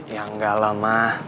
ya enggak lah ma